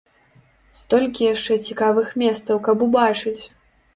Столькі яшчэ цікавых месцаў, каб убачыць!